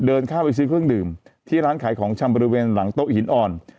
เดินข้ามไปซื้อเครื่องดื่มที่ร้านขายของชำบริเวณหลังโต๊ะหินอ่อน